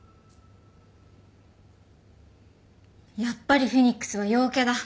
やっぱりフェニックスは陽キャだ。